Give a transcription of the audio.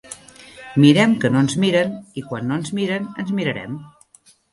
Mirem que no ens miren, i quan no ens miren, ens mirarem.